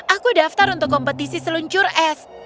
aku daftar untuk kompetisi seluncur es